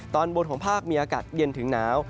ตอนบนของภาคมีอากาศเย็นถึงหนาว